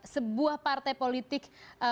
sebuah partai politik